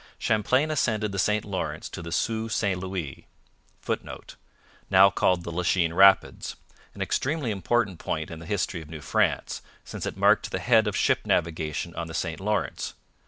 Champlain ascended the St Lawrence to the Sault St Louis [Footnote: Now called the Lachine Rapids. An extremely important point in the history of New France, since it marked the head of ship navigation on the St Lawrence.